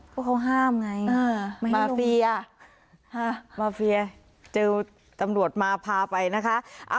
พวกเขาห้ามไงมาเฟียเจอตำรวจมาพาไปนะคะ